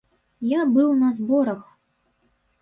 Я быў на зборах.